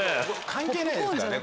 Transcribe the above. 関係ないですからね